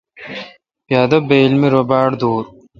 پادہ بایل می رو باڑ دور۔